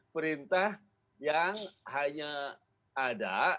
perintah yang hanya ada